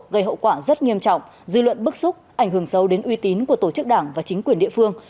gây hậu quả rất nghiêm trọng dư luận bức xúc ảnh hưởng sâu đến uy tín của tổ chức đảng và chính quyền địa phương